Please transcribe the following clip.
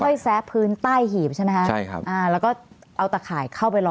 ก็ค่อยแซะพื้นใต้หีบใช่ไหมครับแล้วก็เอาตะข่ายเข้าไปรอ